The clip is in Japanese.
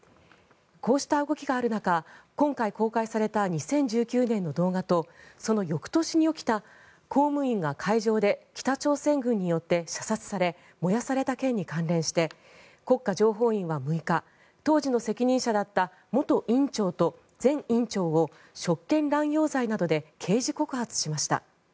こうした動きがある中今回、公開された２０１９年の動画とその翌年に起きた公務員が海上で北朝鮮軍によって射殺され燃やされた件に関連して国家情報院は６日当時の責任者だった元院長と前院長を職権乱用罪などで刑事告発しました。